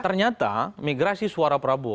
ternyata migrasi suara prabowo